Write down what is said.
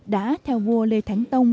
đã theo vua lê thánh tông